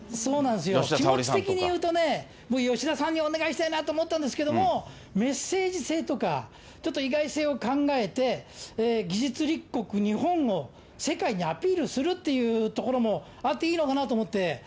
気持ち的に言うとね、もう吉田さんにお願いしたいなと思ったんですけども、メッセージ性とか、ちょっと意外性を考えて、技術立国、日本を世界にアピールするっていうところもあっていいのかなと思って。